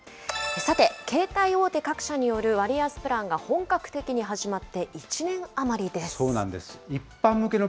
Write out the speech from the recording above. さて、携帯大手各社による割安プランが本格的に始まって１年余りです。